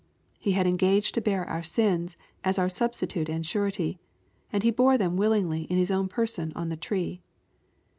He had engaged to bear our sins, as our Substitute and Surety^ and He bore them willingly in His own person on the tree.